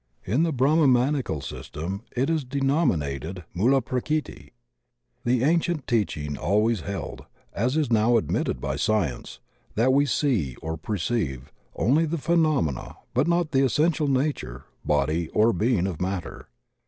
In the Brahmanical system it is denominated Mulaprakriti. The ancient teaching always held, as is now admitted by Science, that we see or perceive only the phenomena but not the essen tial nature, body or being of matter.